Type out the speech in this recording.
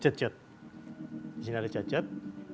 jat jat disini ada jat jat